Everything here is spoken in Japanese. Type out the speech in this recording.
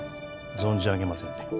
存じ上げませんね